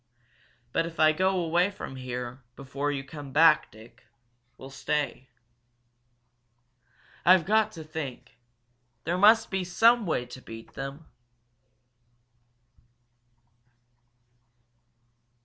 But if I go away from here before you come back, Dick will stay. I've got to think there must be some way to beat them!"